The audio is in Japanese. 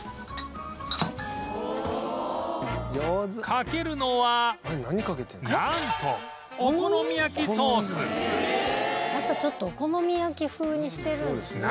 かけるのはなんと「やっぱちょっとお好み焼き風にしてるんですね」